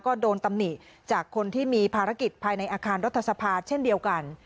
ก็โดนตำหนิจากคนที่มีภารกิจภายในอาคารรัฐสภาเช่นเดียวกัน